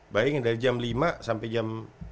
baik dari jam lima sampai jam